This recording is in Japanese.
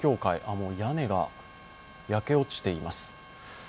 もう屋根が焼け落ちています。